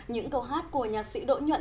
những câu hát của nhạc sĩ đỗ nhuận